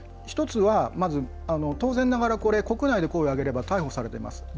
それは、一つはまず当然ながら国内で声を上げれば逮捕されます。